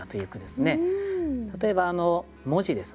例えば文字ですね。